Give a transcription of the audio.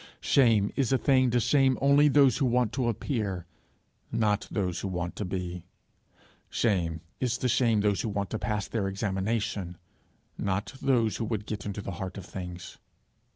Shame is a thing to shame only those who want to appear, not those who want to be. Shame is to shame those who want to pass their examination, not those who would get into the heart of things.